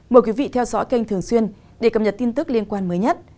mời quý vị theo dõi kênh thường xuyên để cập nhật tin tức liên quan mới nhất